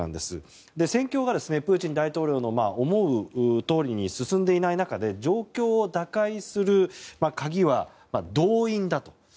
戦況がプーチン大統領の思うとおりに進んでいない中で状況を打開する鍵は動員だと。